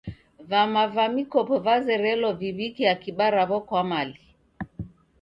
Vama va mikopo vazerelo viw'ike akiba ra'wo kwa mali.